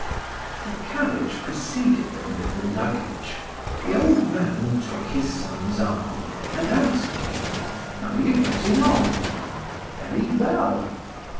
The carriage preceded them with the luggage. The old man took his son's arm and asked him: "How are you getting on?" "Very well."